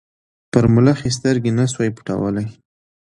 پر ملخ یې سترګي نه سوای پټولای